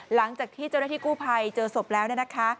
หลังจากที่เจ้าเรศทีกู้ภัยเจอศพแล้วนะคะ